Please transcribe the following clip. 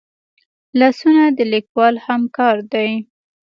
لاسونه د لیکوال همکار دي